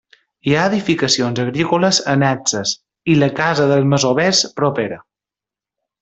Hi ha edificacions agrícoles annexes i la casa dels masovers propera.